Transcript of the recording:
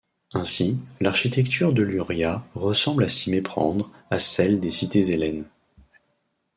Ainsi, l'architecture d'Eluria ressemble à s'y méprendre à celle des cités hellènes.